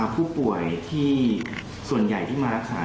ผู้ป่วยที่ส่วนใหญ่ที่มารักษา